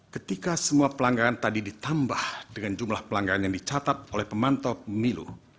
ketika semua pelanggaran tadi ditambah dengan jumlah pelanggaran yang dicatat oleh pemantau pemilu